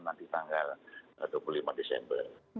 nanti tanggal dua puluh lima desember